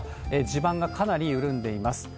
地盤がかなり緩んでいます。